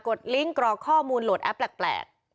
ลิงก์กรอกข้อมูลโหลดแอปแปลก